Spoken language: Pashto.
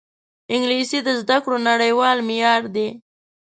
انګلیسي د زده کړو نړیوال معیار دی